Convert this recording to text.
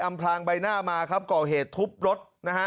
พลางใบหน้ามาครับก่อเหตุทุบรถนะฮะ